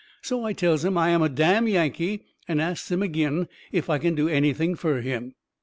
So I tells him I am a damn Yankee and asts him agin if I can do anything fur him.